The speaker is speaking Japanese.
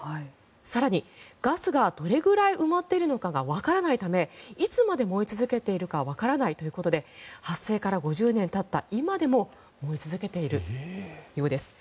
更に、ガスがどれぐらい埋まっているのかがわからないためいつまで燃え続けているかわからないということで発生から５０年たった今でも燃え続けているようです。